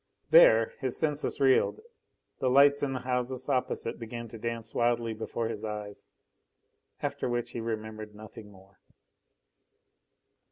There his senses reeled, the lights in the houses opposite began to dance wildly before his eyes, after which he remembered nothing more.